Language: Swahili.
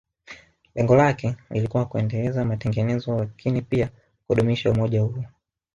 Lengo lake lilikuwa kuendeleza matengenezo lakini pia kudumisha umoja huo